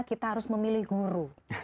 kita harus memilih guru